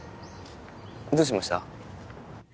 どうしました？